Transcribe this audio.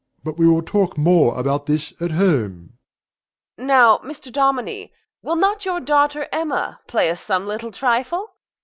But we will talk more about this at home. MRS. GOLD. Now, Mr. Dominie, will not your daughter Emma play us some little trifle?